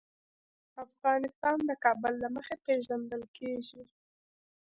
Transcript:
افغانستان د کابل له مخې پېژندل کېږي.